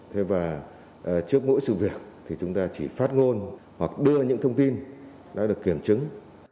trước mỗi sự việc chúng ta chỉ phát ngôn hoặc đưa những thông tin đã được kiểm chứng